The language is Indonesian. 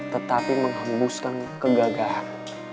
tetapi menghembuskan kegagahan